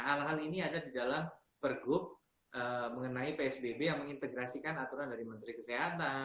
hal hal ini ada di dalam pergub mengenai psbb yang mengintegrasikan aturan dari menteri kesehatan